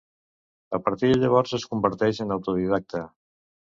A partir de llavors es converteix en autodidacta.